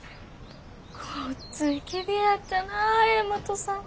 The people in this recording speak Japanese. ごっついきれいやったなあ大和さん。